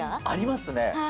ありますね。